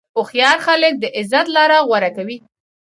هوښیار خلک د عزت لاره غوره کوي.